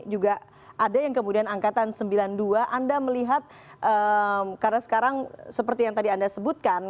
juga ada yang kemudian angkatan sembilan puluh dua anda melihat karena sekarang seperti yang tadi anda sebutkan